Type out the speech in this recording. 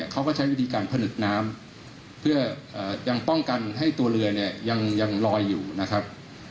เขาก็ใช้วิธีการผนึกน้ำเพื่อยังป้องกันให้ตัวเรือเนี่ยยังลอยอยู่นะครับ